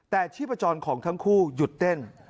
แต่ชีพจรของทั้งคู่หยุดเต้น